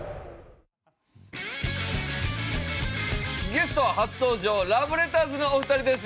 ゲストは初登場ラブレターズのお二人です。